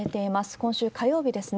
今週火曜日ですね。